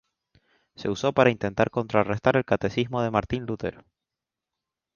Se usó para intentar contrarrestar el catecismo de Martín Lutero.